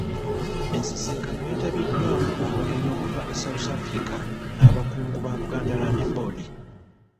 Ensisinkano yeetabiddwamu abagenyi okuva e South Africa n'Abakungu ba Buganda Land Board.